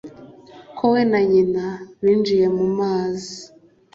ko we na nyina binjiye mu mazi